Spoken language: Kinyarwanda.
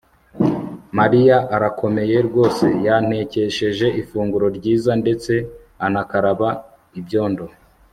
Mariya arakomeye rwose Yantekesheje ifunguro ryiza ndetse anakaraba ibyombo